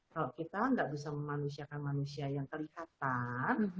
kalau kita tidak bisa memanusiakan manusia yang terikatan